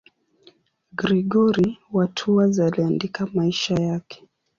Gregori wa Tours aliandika maisha yake.